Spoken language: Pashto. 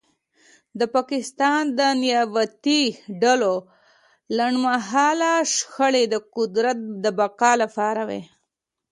د پاکستان د نیابتي ډلو لنډمهاله شخړې د قدرت د بقا لپاره وې